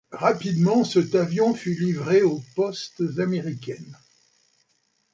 Rapidement cet avion fut livré aux postes américaines.